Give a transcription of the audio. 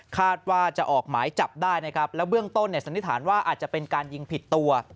คาดว่าจะออกหมายจับได้นะครับแล้วเบื้องต้นเนี่ยสันนิษฐานว่าอาจจะเป็นการยิงผิดตัว